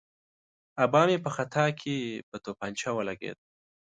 آبا مې په خطا کې په تومانچه ولګېد.